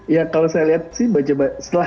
ya kalau saya lihat sih mbak coba